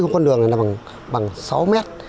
con đường này là bằng sáu m